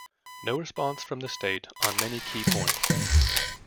No response from the state on many key points.